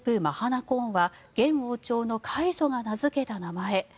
マハナコーンは現王朝の開祖が名付けた名前。